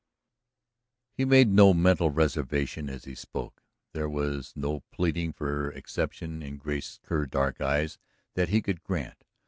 He made no mental reservation as he spoke; there was no pleading for exception in Grace Kerr's dark eyes that he could grant.